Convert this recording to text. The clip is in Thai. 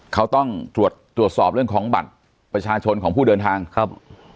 เขาต้องตรวจสอบเรื่องของบัตรประชาชนของผู้เดินทางครับ